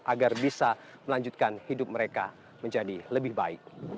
agar bisa melanjutkan hidup mereka menjadi lebih baik